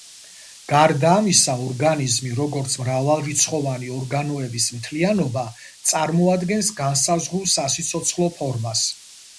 გარდა ამისა, ორგანიზმი როგორც მრავალრიცხოვანი ორგანოების მთლიანობა წარმოადგენს განსაზღვრულ სასიცოცხლო ფორმას.